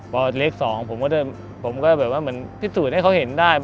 พอเลข๒ผมก็แบบว่าเหมือนพิสูจน์ให้เขาเห็นได้